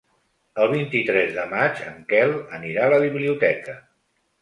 El vint-i-tres de maig en Quel anirà a la biblioteca.